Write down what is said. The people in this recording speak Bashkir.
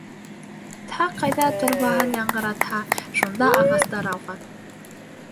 Тһа ҡайҙа «торба»һын яңғыратһа, шунда ағастар ауған.